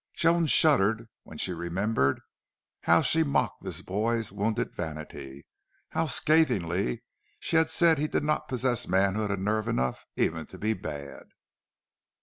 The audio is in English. Joan shuddered when she remembered how she had mocked this boy's wounded vanity how scathingly she had said he did not possess manhood and nerve enough even to be bad.